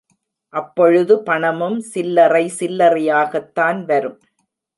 அப்பொழுது பணமும் சில்லறை சில்லறையாகத் தான் வரும்.